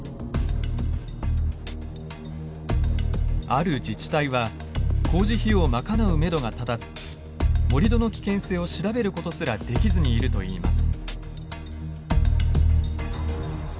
ある自治体は工事費用を賄うめどが立たず盛土の危険性を調べることすらできずにいるといいます。